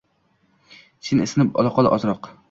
Sen isinib olaqol ozroq.